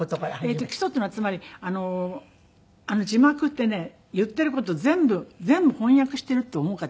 基礎っていうのはつまり字幕ってね言っている事全部翻訳しているって思う方。